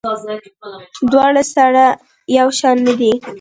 دواړه سره یو شان نه دي.